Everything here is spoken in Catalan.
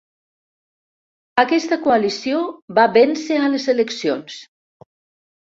Aquesta coalició va vèncer a les eleccions.